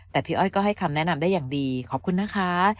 แต่พี่อ้อยก็ให้คำแนะนำได้อย่างดีขอบคุณนะคะ